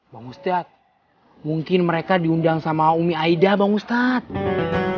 bang ustadz mungkin mereka diundang sama umi aida bang ustadz